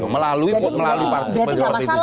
melalui partai itu juga